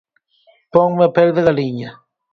Ponme a pel de galiña.